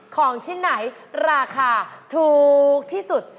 ของชิ้นไหนราคาถูกที่สุด